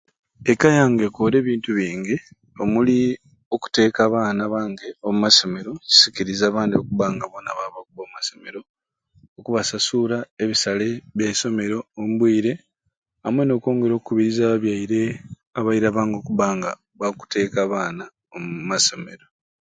Ekka yange ekore ebintu bingi omuli okuteeka abaana bange omumasomero kisikirize abandi okuba nga bona ababwe bakuba omumasomero, okubasasuura ebisale byaisomero ombwiire amwei nokwongera okubiriza ababyaire abaira bange okuba nga bakuteka abaana omumasomero.